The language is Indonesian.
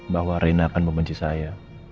bahwa reina akan membenci saya